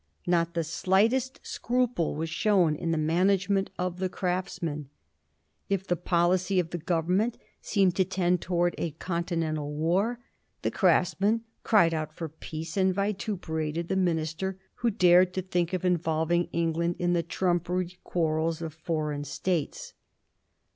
Not the slightest scruple was shown in the management of the Craftsman. K the policy of the Government seemed to tend towards a continental war, the Craftsman cried out for peace, and vituperated the minister who dared to think of involving Eng land in the trumpery quarrels of foreign States.